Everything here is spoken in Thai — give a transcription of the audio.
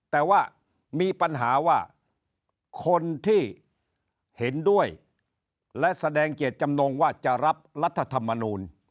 แต่ว่ามีปัญหาว่าคนที่เห็นด้วยและแสดงเจตจำนงว่าจะรับรัฐธรรมนูล